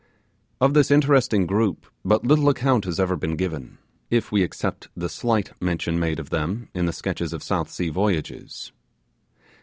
Of this interesting group, but little account has ever been given, if we except the slight mention made of them in the sketches of South Sea voyages.